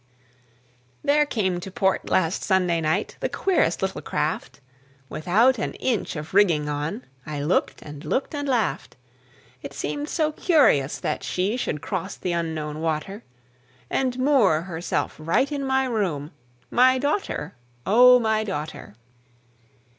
(1844 .) There came to port last Sunday night The queerest little craft, Without an inch of rigging on; I looked and looked and laughed. It seemed so curious that she Should cross the Unknown water, And moor herself right in my room, My daughter, O my daughter!